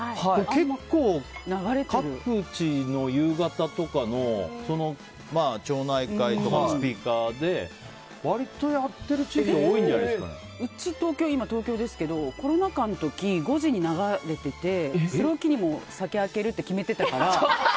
結構各地の夕方とかの町内会とかのスピーカーで割と、やってる地域うち、東京ですけどコロナ禍の時５時に流れていてそれを機に酒を開けるって決めてたから。